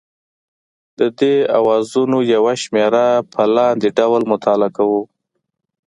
د دې اوزارونو یوه شمېره په لاندې ډول مطالعه کوو.